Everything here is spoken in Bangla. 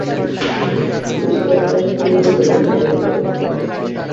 পুলিশকে আপনারা কী মনে করেন বলেন তো?